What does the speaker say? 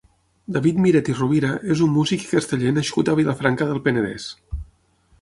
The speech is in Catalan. David Miret i Rovira és un músic i casteller nascut a Vilafranca del Penedès.